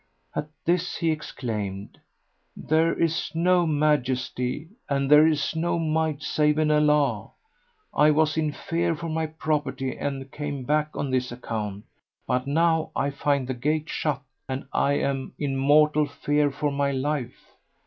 At this he exclaimed, "There is no Majesty and there is no Might save in Allah! I was in fear for my property and came back on its account, but now I find the gate shut and I am in mortal fear for my life!"